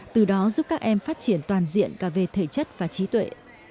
từ đó giúp các em phát triển toàn diện cả về thể chất và trí tuệ